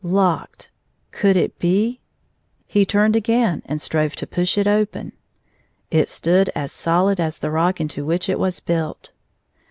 Locked ! Could it be 1 He turned again and strove to push it open. It stood as solid as ike rock into which it was built.